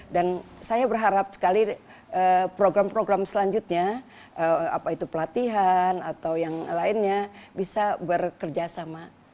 dan saya berharap sekali program program selanjutnya apa itu pelatihan atau yang lainnya bisa bekerja sama